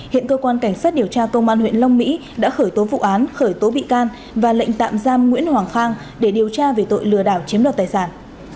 hiện cơ quan cảnh sát điều tra công an huyện long mỹ đã khởi tố vụ án khởi tố bị can và lệnh tạm giam nguyễn hoàng khang để điều tra về tội lừa đảo chiếm đoạt tài sản